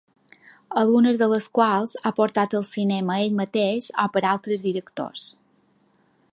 Algunes de les quals ha portat al cinema ell mateix o per altres directors.